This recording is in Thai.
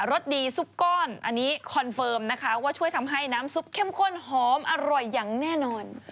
สดีซุปก้อนอันนี้คอนเฟิร์มนะคะว่าช่วยทำให้น้ำซุปเข้มข้นหอมอร่อยอย่างแน่นอน